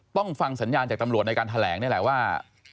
ต้องฟังสัญญาณจากตำรวจในการแถลงนี่แหละว่า